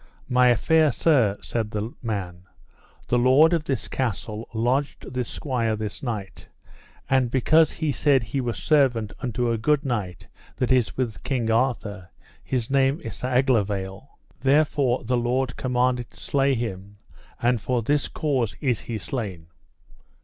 My fair sir, said the man, the lord of this castle lodged this squire this night; and because he said he was servant unto a good knight that is with King Arthur, his name is Sir Aglovale, therefore the lord commanded to slay him, and for this cause is he slain.